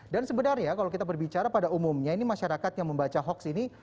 dan sebenarnya kalau kita berbicara pada umumnya ini masyarakat yang membaca hoax ini